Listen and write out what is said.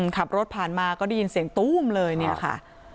ขับรถผ่านมาก็ได้ยินเสียงตู้มเลยเนี่ยค่ะ